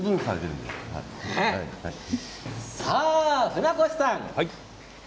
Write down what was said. さあ、船越さん！